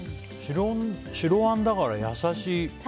白あんだから優しい。